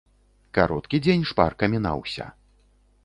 Кароткі дзень шпарка мінаўся.